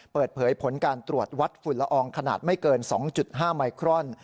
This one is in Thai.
เปิดเผยผลการตรวจวัดฝุ่นละอองขนาดไม่เกิน๒๕ไมครอน